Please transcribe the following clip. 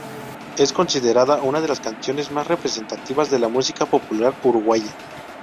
Es considerada una de las canciones más representativas de la música popular uruguaya.